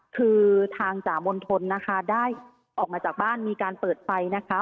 คือทางจ่ามณฑลนะคะได้ออกมาจากบ้านมีการเปิดไฟนะคะ